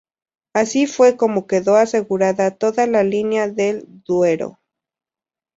Así fue como quedó asegurada toda la línea del Duero.